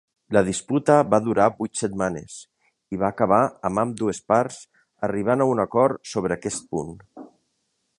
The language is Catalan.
La disputa va durar vuit setmanes i va acabar amb ambdues parts arribant a un acord sobre aquest punt.